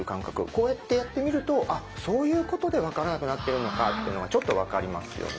こうやってやってみると「あっそういうことで分からなくなってるのか」っていうのがちょっと分かりますよね。